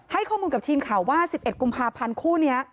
ให้ข้อมูลกับทีมข่าวว่า๑๑กุมภาพันธ์คู่นี้